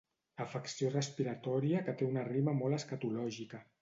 Afecció respiratòria que té una rima molt escatològica.